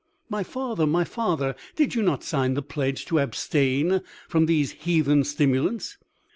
"My father! my father! did you not sign the pledge to abstain from these heathen stimulants?"